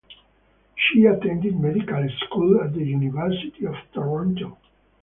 She attended medical school at the University of Toronto.